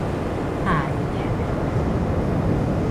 Három gyermek anyja.